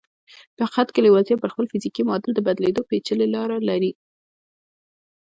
په حقیقت کې لېوالتیا پر خپل فزیکي معادل د بدلېدو پېچلې لارې لري